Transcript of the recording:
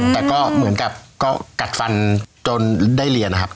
แต่ก็เหมือนกับก็กัดฟันจนได้เรียนนะครับ